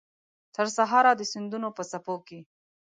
ترسهاره د سیندونو په څپو کې